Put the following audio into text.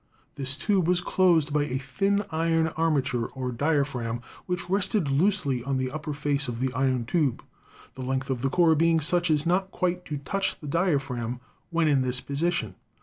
This tube was closed by a thin iron armature, or diaphragm, which rested 264 ELECTRICITY loosely on the upper face of the iron tube, the length of the core being such as not quite to touch the diaphragm when in this position.